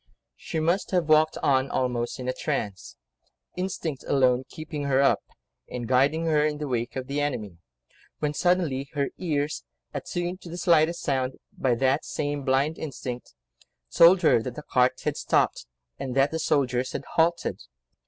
She must have walked on almost in a trance, instinct alone keeping her up, and guiding her in the wake of the enemy, when suddenly her ears, attuned to the slightest sound, by that same blind instinct, told her that the cart had stopped, and that the soldiers had halted.